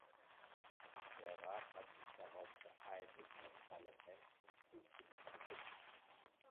Der Rat hat sich darauf geeinigt, das Parlament um Zustimmung zu bitten.